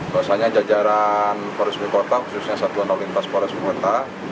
biasanya jajaran polres sukabumi kota khususnya satuan olimpias polres sukabumi kota